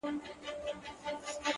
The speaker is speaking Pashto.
• یو د بل په وینو پايي او پړسېږي,